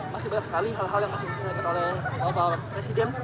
masih banyak sekali hal hal yang masih diselesaikan oleh bapak presiden